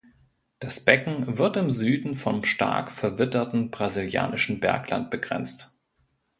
Das Becken wird im Süden vom stark verwitterten brasilianischen Bergland begrenzt.